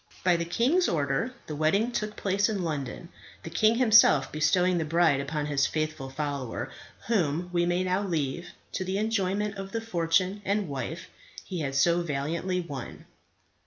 By the king's order, the wedding took place at London, the king himself bestowing the bride upon his faithful follower, whom we may now leave to the enjoyment of the fortune and wife he had so valiantly won.